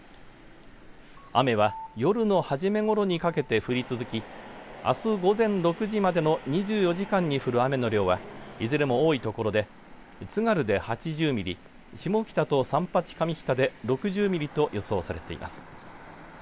雨は夜の初めごろにかけて降り続きあす午前６時までの２４時間に降る雨の量はいずれも多いところで津軽で８０ミリ下北と三八上北で６０ミリと予想されています。